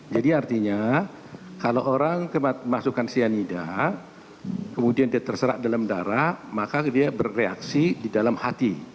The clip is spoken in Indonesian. jadi artinya kalau orang masukkan cyanida kemudian dia terserak dalam darah maka dia bereaksi di dalam hati